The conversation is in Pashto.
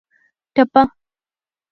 ټپه